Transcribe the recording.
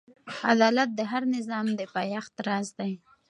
عدالت د هر نظام د پایښت راز دی.